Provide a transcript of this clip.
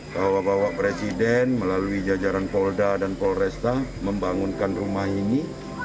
bahwa bapak presiden melalui jajaran polda dan polresta membangunkan rumah ini